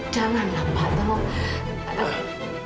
janganlah pak tolong